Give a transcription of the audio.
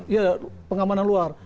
iya pengamanan luar